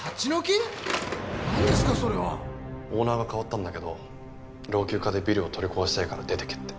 オーナーが代わったんだけど老朽化でビルを取り壊したいから出ていけって。